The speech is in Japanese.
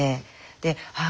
でああ